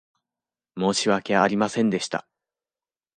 申し訳ありませんでした。